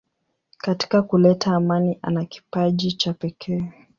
Katika kuleta amani ana kipaji cha pekee.